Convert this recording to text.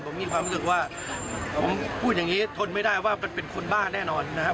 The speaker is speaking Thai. ผมมีความรู้สึกว่าผมพูดอย่างนี้ทนไม่ได้ว่ามันเป็นคนบ้าแน่นอนนะครับ